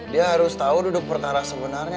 dia harus tahu duduk perkara sebenarnya